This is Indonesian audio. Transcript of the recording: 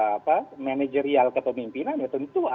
apa manajerial atau pemimpinan ya tentu saja